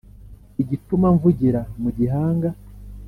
igituma mvugira mu gihanga